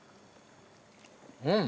うん。